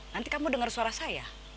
nanti kamu dengar suara saya